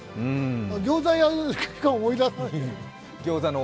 ギョーザ屋しか思い出さないな。